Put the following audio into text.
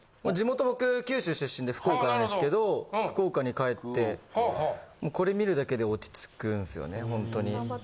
地元、僕、九州出身で、福岡なんですけど、福岡に帰って、もうこれ見るだけで落ち着くんですよね、本当に。